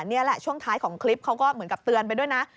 นี่แหละช่วงท้ายของคลิปเขาก็เหมือนกับเตือนไปด้วยนะ